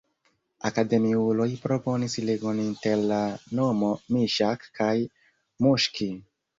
Akademiuloj proponis ligon inter la nomo Miŝak kaj Muŝki.